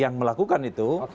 yang melakukan itu